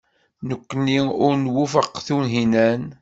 Nekkni ur nwufeq Tunhinan.